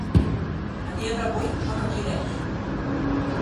A dia d'avui on resideix?